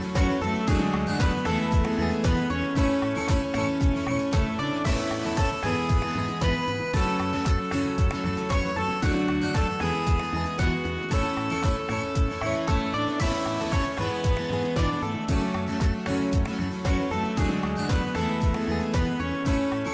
สวัสดีครับพี่สิทธิ์มหาลสวัสดีครับ